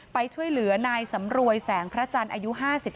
ไปช่วยเหลือนายสำรวยแสงพระจันทร์อายุ๕๓